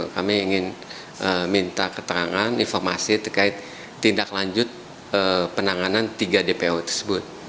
kami ingin minta keterangan informasi terkait tindak lanjut penanganan tiga dpo tersebut